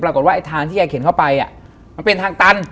ปรากฏว่าทางที่แกเข็นเข้าไปมันเป็นทางตัน